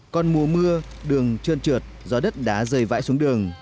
còn mùa mưa đường trơn trượt do đất đá rơi vãi xuống đường